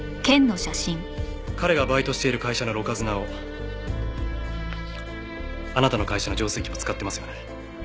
彼がバイトしている会社のろ過砂をあなたの会社の浄水器も使ってますよね？